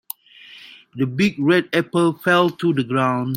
The big red apple fell to the ground.